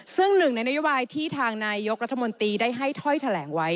ซึ่งหนึ่งในนโยบายที่ทางนายยกรัฐมนตรีได้ให้ถ้อยแถลงไว้